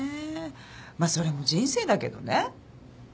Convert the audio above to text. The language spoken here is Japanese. まあそれも人生だけどね。